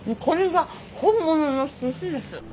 これが本物のすしです。